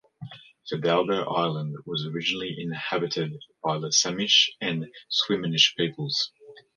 Fidalgo Island was originally inhabited by the Samish and Swinomish peoples.